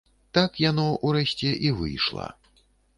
Так яно, урэшце, і выйшла.